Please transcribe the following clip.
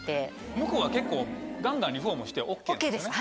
向こうは結構ガンガンリフォームしてＯＫなんですよね？